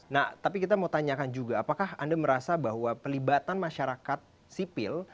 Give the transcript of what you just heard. nah tapi kita mau tanyakan juga apakah anda merasa bahwa pelibatan masyarakat sipil